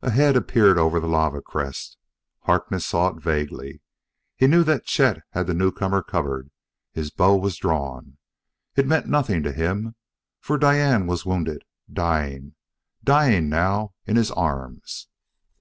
A head appeared over the lava crest. Harkness saw it vaguely. He knew that Chet had the newcomer covered; his bow was drawn. It meant nothing to him, for Diane was wounded dying! Dying, now, in his arms....